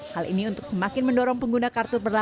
hal ini untuk semakin mendorong pengguna kartu perjalanan